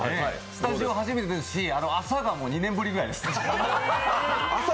スタジオ初めてですし、朝が２年ぶりぐらいです。